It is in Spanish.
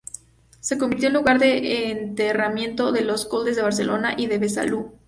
Se convirtió en lugar de enterramiento de los condes de Barcelona y de Besalú.